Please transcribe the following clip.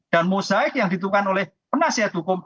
dan mosaik yang ditukar oleh penasihat hukum